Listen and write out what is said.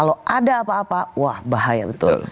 kalau ada apa apa wah bahaya betul